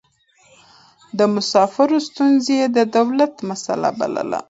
د مسافرو ستونزې يې د دولت مسئله بلله.